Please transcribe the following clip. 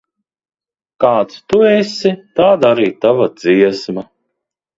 Kāds tu esi, tāda arī tava dziesma.